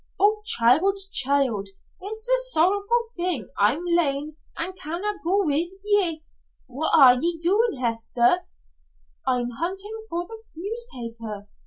"Oh, child, child! It's a sorrowful thing I'm lame an' can na' gang wi' ye. What are ye doin', Hester?" "I'm hunting for the newspaper.